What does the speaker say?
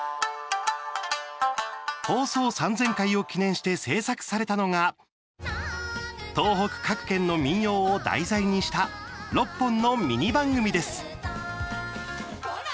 放送３０００回を記念して制作されたのが東北各県の民謡を題材にした６本のミニ番組です。